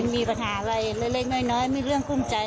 มีปัญหาอะไรเล็กน้อยมีเรื่องกุ้มใจ